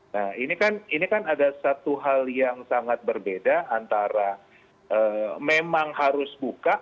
nah ini kan ada satu hal yang sangat berbeda antara memang harus buka